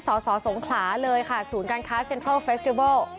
ศส๔๗๘เลยค่ะสูญการคลาสเซนทรัลเฟสเตียบอล